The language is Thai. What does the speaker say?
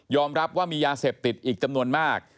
รับว่ามียาเสพติดอีกจำนวนมาก